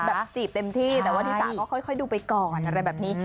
แต่ว่าธีรษะก็ค่อยดูไปก่อนอะไรแบบนี้